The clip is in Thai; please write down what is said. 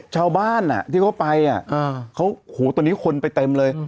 ชาวบ้านที่เขาไปตอนนี้คนไปเต็มเลย